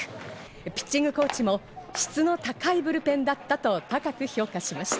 ピッチングコーチも質の高いブルペンだったと高く評価しました。